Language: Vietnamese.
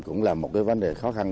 cũng là một vấn đề khó khăn